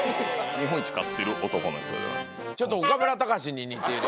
日本一勝ってる男の１人でございます。